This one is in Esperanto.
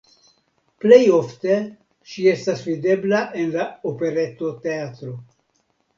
Plej ofte ŝi estas videbla en la Operetoteatro.